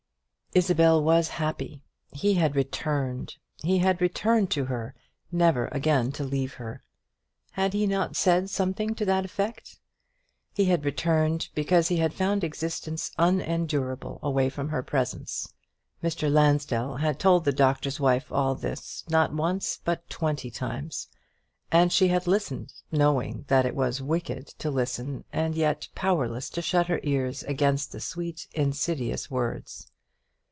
Isabel was happy. He had returned; he had returned to her; never again to leave her! Had he not said something to that effect? He had returned, because he had found existence unendurable away from her presence. Mr. Lansdell had told the Doctor's Wife all this, not once, but twenty times; and she had listened, knowing that it was wicked to listen, and yet powerless to shut her ears against the sweet insidious words.